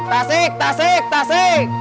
tasik tasik tasik